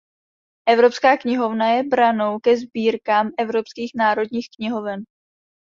Evropská knihovna je branou ke sbírkám evropských národních knihoven.